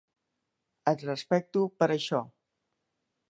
Et respecto per això.